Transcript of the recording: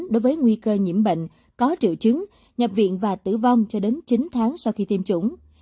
đối với nguy cơ nhiễm bệnh có triệu chứng nhập viện và tử vong cho đến chín tháng sau khi tiêm chủng